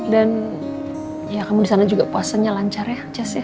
dan ya kamu di sana juga puasanya lancar ya jess ya